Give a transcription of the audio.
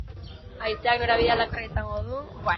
Haizeak norabide aldakorra izango du.